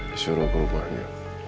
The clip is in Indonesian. disuruh ke rumahnya